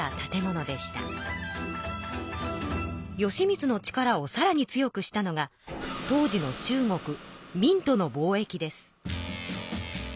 義満の力をさらに強くしたのが当時の中国明との貿易です。